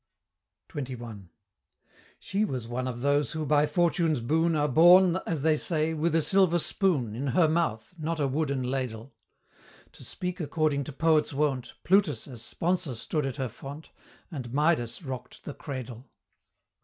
XXI. She was one of those who by Fortune's boon Are born, as they say, with a silver spoon In her mouth, not a wooden ladle: To speak according to poet's wont, Plutus as sponsor stood at her font, And Midas rocked the cradle.